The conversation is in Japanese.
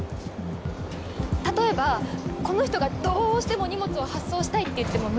例えばこの人がどうしても荷物を発送したいって言っても無理ですか？